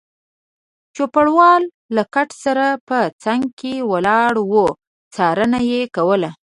چوپړوال له کټ سره په څنګ کې ولاړ و، څارنه یې کوله.